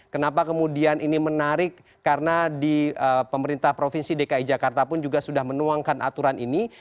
kenapa kemudian ini menarik karena di pemerintah provinsi dki jakarta pun juga sudah menuangkan aturan ini